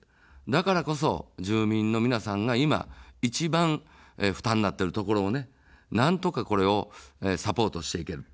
だからこそ、住民の皆さんが今、一番負担になっているところをなんとかこれをサポートしていける。